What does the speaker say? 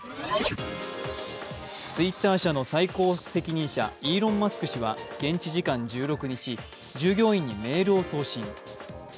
Ｔｗｉｔｔｅｒ社の最高責任者イーロン・マスク氏は現地時間１６日、従業員にメールを送信。